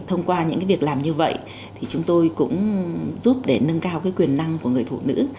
thông qua những việc làm như vậy chúng tôi cũng giúp nâng cao quyền năng của người phụ nữ